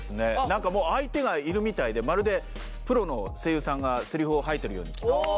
何か相手がいるみたいでまるでプロの声優さんがセリフを吐いてるように聞こえました。